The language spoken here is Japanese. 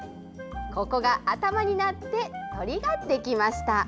ここが頭になって鳥ができました。